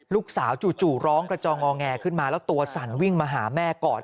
จู่ร้องกระจองงอแงขึ้นมาแล้วตัวสั่นวิ่งมาหาแม่ก่อน